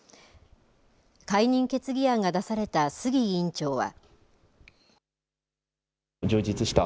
解任決議案が出された杉委員長は。